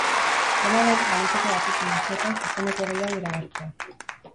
Dena den, baliteke datozen asteotan zuzeneko gehiago iragartzea.